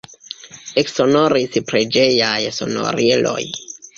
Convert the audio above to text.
Eksonoris preĝejaj sonoriloj.